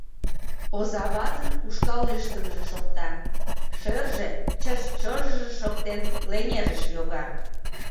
Оза ватын ушкал лӱштымыжӧ шокта, шӧржӧ, чыж-чож-ж шоктен, леҥежыш йога.